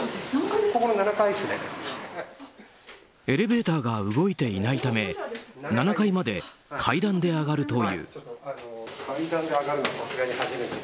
エレベーターが動いていないため７階まで階段で上がる。